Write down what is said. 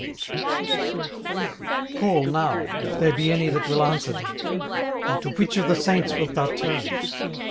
18:005:001 Call now, if there be any that will answer thee; and to which of the saints wilt thou turn?